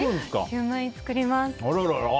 シューマイ作ります。